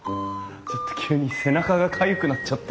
ちょっと急に背中がかゆくなっちゃって。